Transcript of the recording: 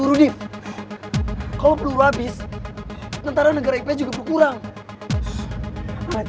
ini waktu yang tepat buat